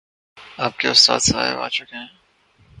آپ کے استاد صاحب آ چکے ہیں